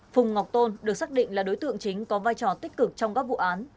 phùng ngọc tôn được xác định là đối tượng chính có vai trò tích cực trong các vụ án